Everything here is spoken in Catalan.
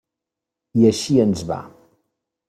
I així ens va.